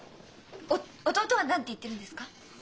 お弟は何て言ってるんですか？